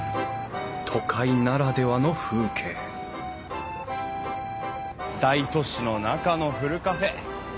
都会ならではの風景大都市の中のふるカフェ。